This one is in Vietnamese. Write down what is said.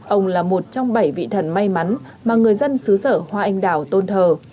ông là một trong bảy vị thần may mắn mà người dân xứ sở hoa anh đào tôn thờ